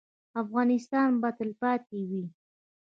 افغانستان به تلپاتې وي